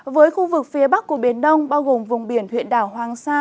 với khu vực phía bắc của biển đông bao gồm vùng biển huyện đảo hoàng sa